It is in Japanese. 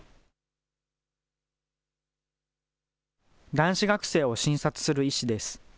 男子学生を診察する医師です。